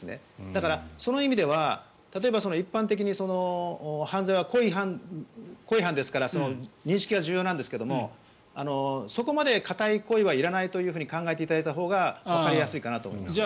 だから、その意味では例えば一般的に犯罪は故意犯ですから認識は重要なんですがそこまで固い故意はいらないと考えていただいたほうがわかりやすいかなと思いますね。